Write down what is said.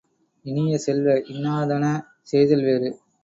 இனிய செல்வ, இன்னாதன செய்தல் வேறு.